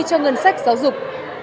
cho ngân sách giáo dục